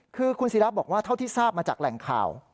คือคุณศิราบอกว่าเท่าที่ทราบมาจากแหล่งข่าว